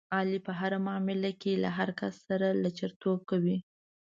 علي په هره معامله کې له هر کس سره لچرتوب کوي.